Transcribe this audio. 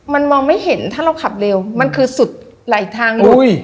มันมองไม่เห็นถ้าเราขับเร็วมันคือสุดหลายทางเลย